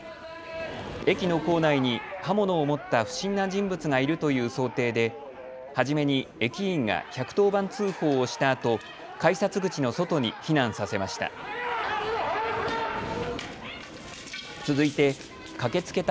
駅の構内に刃物を持った不審な人物がいるという想定で初めに駅員が１１０番通報をしたあと改札口の外に避難させました。